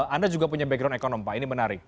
anda juga punya background econom pak ini menarik